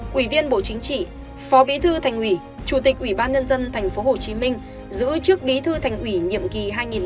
quỷ viên bộ chính trị phó bí thư thành ủy chủ tịch ủy ban nhân dân tp hcm giữ chức bí thư thành ủy nhiệm kỳ hai nghìn năm hai nghìn một mươi